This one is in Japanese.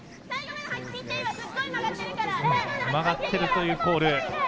曲がっているというコール。